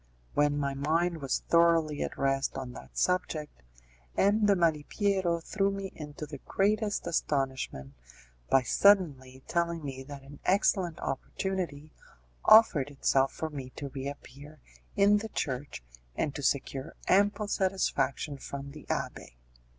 When my mind was thoroughly at rest on that subject, M. de Malipiero threw me into the greatest astonishment by suddenly telling me that an excellent opportunity offered itself for me to reappear in the church and to secure ample satisfaction from the abbé.